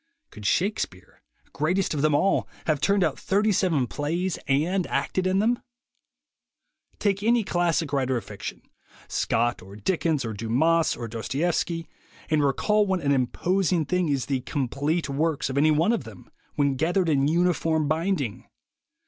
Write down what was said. Could Shakespeare, greatest of them all, have turned out thirty seven plays and acted in them ? Take any classic writer of fiction, Scott or Dickens or Dumas or Dostoevsky, and recall what an imposing thing is the "complete works" of any one of them when gathered in uniform binding!